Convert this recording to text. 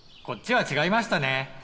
こっちは違いましたね。